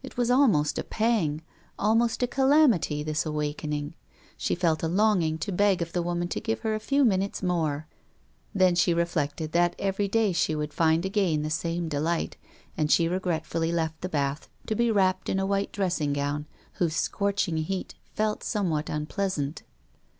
It was almost a pang, almost a calamity, this awakening; she felt a longing to beg of the woman to give her a few minutes more; then she reflected that every day she would find again the same delight, and she regretfully left the bath to be wrapped in a white dressing gown whose scorching heat felt somewhat unpleasant.